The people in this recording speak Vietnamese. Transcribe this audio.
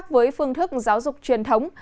với phương thức giáo dục truyền thống